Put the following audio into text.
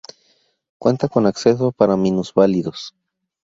Cuenta con acceso para minusválidos.